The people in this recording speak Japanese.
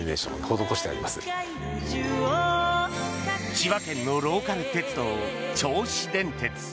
千葉県のローカル鉄道銚子電鉄。